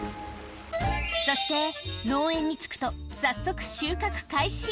そして農園に着くと早速収穫開始